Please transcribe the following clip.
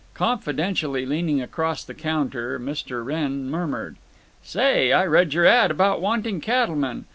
Confidentially leaning across the counter, Mr. Wrenn murmured: "Say, I read your ad. about wanting cattlemen.